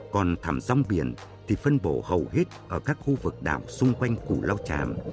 còn thảm giống biển thì phân bổ hầu hết ở các khu vực đảo xung quanh củ lao chạm